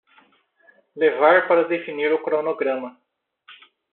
Levar para definir o cronograma